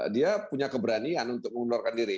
dia punya keberanian untuk mengundurkan diri